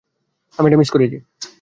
আমি এটা মিস করেছি।